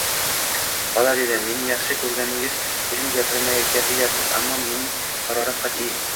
Hola, — dedi, — meni yaxshi ko'rganingiz uchun gapiryapsiz, ammo mening qarorim qatiy.